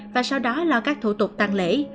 và sau đó lo các thủ tục tăng lễ